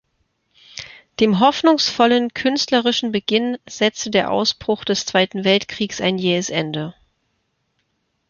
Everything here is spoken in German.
Dem hoffnungsvollen künstlerischen Beginn setzte der Ausbruch des Zweiten Weltkriegs ein jähes Ende.